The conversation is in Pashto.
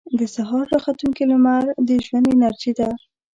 • د سهار راختونکې لمر د ژوند انرژي ده.